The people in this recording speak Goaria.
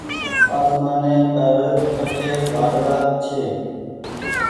آسمآني پر ڪٺي وآۮڙآ ڇي۔